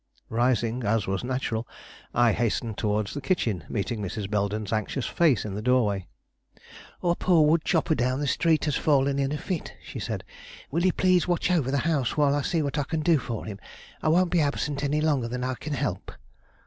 Rising, as was natural, I hastened towards the kitchen, meeting Mrs. Belden's anxious face in the doorway. "A poor wood chopper down the street has fallen in a fit," she said. "Will you please watch over the house while I see what I can do for him? I won't be absent any longer than I can help."